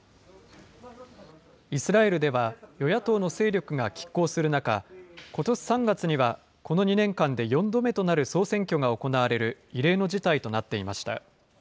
イスラエルでは、与野党の勢力がきっ抗する中、ことし３月にはこの２年間で４度目となる総選挙が行われる異例の事態となっていました。